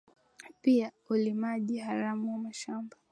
pia ulimaji haramu wa mashamba